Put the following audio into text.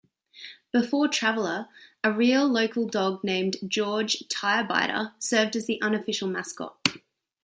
Before Traveler, a real local dog named George Tirebiter served as the unofficial mascot.